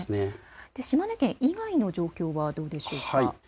島根県以外での状況、どうでしょうか。